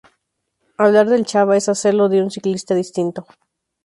Hablar del 'Chava' es hacerlo de un ciclista distinto.